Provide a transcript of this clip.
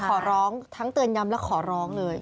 ขอร้องทั้งเตือนย้ำและขอร้องเลย